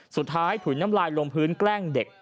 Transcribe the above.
สุดท้ายถุ่นน้ำลายลมพื้นแกล้งเด็ก